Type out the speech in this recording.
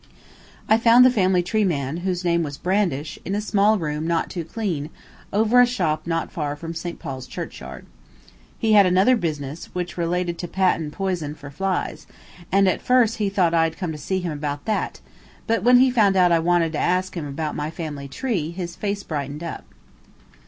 I found the family tree man, whose name was Brandish, in a small room not too clean, over a shop not far from St. Paul's Churchyard. He had another business, which related to patent poison for flies, and at first he thought I had come to see him about that, but when he found out I wanted to ask him about my family tree his face brightened up.